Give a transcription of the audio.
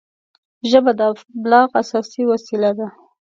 ژبه د ابلاغ اساسي وسیله ده